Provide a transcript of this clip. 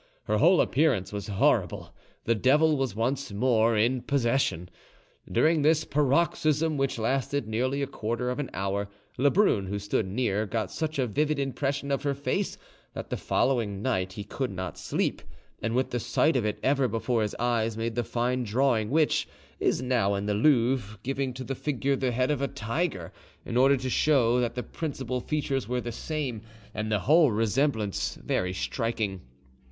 Her whole appearance was horrible; the devil was once more in possession. During this paroxysm, which lasted nearly a quarter of an hour, Lebrun, who stood near, got such a vivid impression of her face that the following night he could not sleep, and with the sight of it ever before his eyes made the fine drawing which—is now in the Louvre, giving to the figure the head of a tiger, in order to show that the principal features were the same, and the whole resemblance very striking.